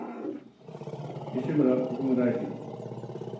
西村国務大臣。